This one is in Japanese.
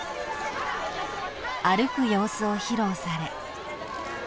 ［歩く様子を披露され］